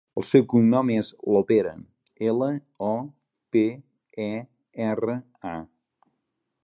El seu cognom és Lopera: ela, o, pe, e, erra, a.